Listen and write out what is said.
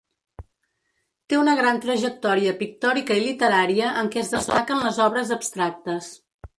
Té una gran trajectòria pictòrica i literària en què es destaquen les obres abstractes.